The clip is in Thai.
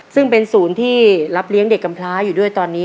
ซึ่งเป็นศูนย์ที่รับเลี้ยงเด็กกำพลาอยู่ด้วยตอนนี้